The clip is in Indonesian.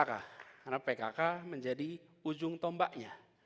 karena pkk menjadi ujung tombaknya